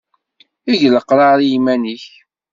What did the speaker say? Eg leqrar i yiman-nnek.